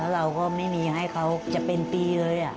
เราก็ไม่มีให้เขาจะเป็นปีเลย